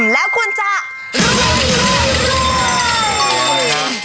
แล้วคุณจะรู้เรื่องด้วยด้วย